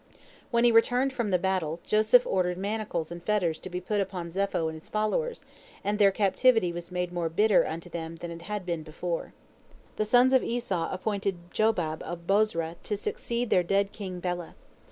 When he returned from the battle, Joseph ordered manacles and fetters to be put upon Zepho and his followers, and their captivity was made more bitter unto them than it had been before. The sons of Esau appointed Jobab of Bozrah to succeed their dead king Bela.